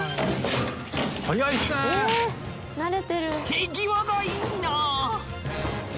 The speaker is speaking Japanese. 手際がいいな！